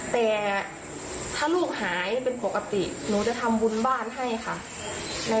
แต่ถ้าลูกหายเป็นปกติหนูจะทำบุญบ้านให้ค่ะ